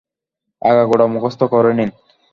আগাগোড়া মুখস্ত করে নিন।